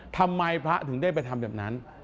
ทำไมพระถึงได้ไปทำแบบนั้น